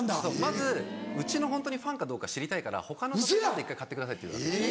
まずうちのホントにファンかどうか知りたいから他の時計一回買ってくださいっていうわけです。